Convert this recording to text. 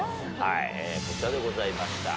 こちらでございました。